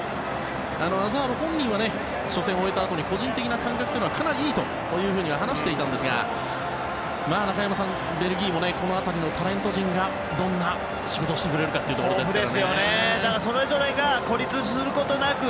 アザール本人は初戦を終えたあとに個人的な感覚はかなりいいというふうには話していたんですが中山さん、ベルギーもこの辺りのタレント陣がどんな仕事をしてくれるかというところですね。